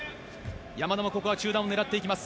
山田もここは中段を狙っていきます。